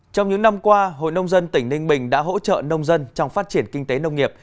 trong những năm qua hội nông dân tỉnh ninh bình đã hỗ trợ nông dân trong phát triển kinh tế nông nghiệp